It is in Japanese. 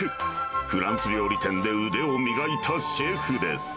フランス料理店で腕を磨いたシェフです。